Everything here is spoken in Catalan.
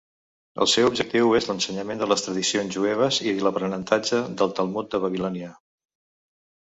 El seu objectiu és l'ensenyament de les tradicions jueves i l'aprenentatge del Talmud de Babilònia.